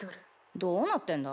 どうなってんだ？